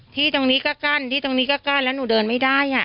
ที่ตรงนี้ก็กั้นที่ตรงนี้ก็กั้นแล้วหนูเดินไม่ได้